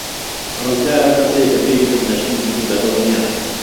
ڕزگار ئەو کەسەیە کە پێی گوتم نەشمیل منی بەدڵ نییە.